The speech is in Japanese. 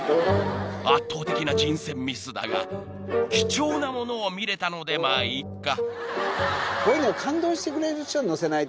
［圧倒的な人選ミスだが貴重なものを見れたのでまぁいっか］